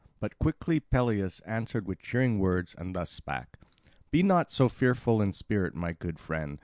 But quickly Peleus answered with cheering words, and thus spake: "Be not so fearful in spirit, my good friend.